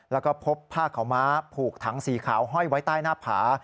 แล้วก็พบผ้าขาวม้าผูกถังสีขาวห้อยไว้ใต้หน้าผา